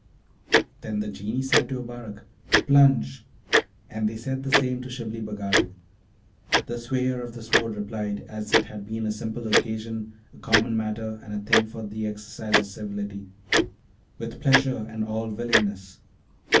Then the Genii said to Abarak, 'Plunge!' and they said the same to Shibli Bagarag. The swayer of the Sword replied, as it had been a simple occasion, a common matter, and a thing for the exercise of civility, 'With pleasure and all willingness!'